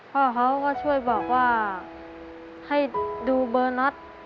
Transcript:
พ่อเขาก็ช่วยบอกว่าให้ดูเบอร์น็อต